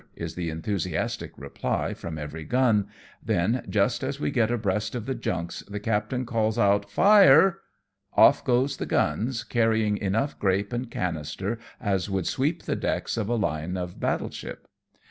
" is the enthusiastic reply from every gun ; then, just as we get right abreast of the junks, the captain calls out, " Fire." Off goes the guns, carrying enough grape and cannister as would sweep the decks of a line of battle ship.